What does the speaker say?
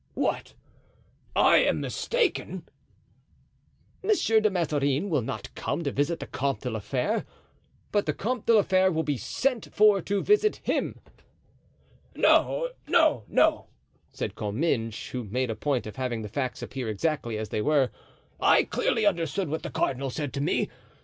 "What? I am mistaken?" "Monsieur de Mazarin will not come to visit the Comte de la Fere, but the Comte de la Fere will be sent for to visit him." "No, no, no," said Comminges, who made a point of having the facts appear exactly as they were, "I clearly understood what the cardinal said to me.